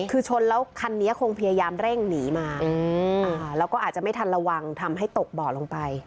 คือชนแล้วคันนี้คงพยายามเร่งหนีมาแล้วก็อาจจะไม่ทันระวังทำให้ตกบ่อลงไป